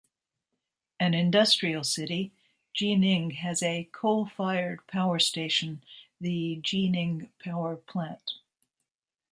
An industrial city, Jining has a coal-fired power station, the Jining Power Plant.